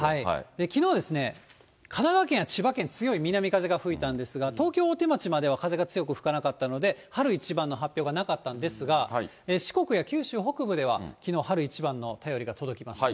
きのうですね、神奈川県や千葉県、強い南風が吹いたんですが、東京・大手町は風が多く吹かなかったので、春一番の発表がなかったんですが、四国や九州北部では、きのう春一番の便りが届きましたね。